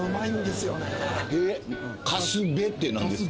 カスベって何ですか？